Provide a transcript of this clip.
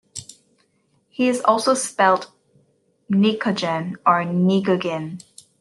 It is also spelled "pnicogen" or "pnigogen".